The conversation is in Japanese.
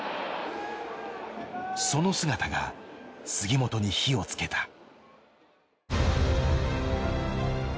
その姿が杉本に火をつけた。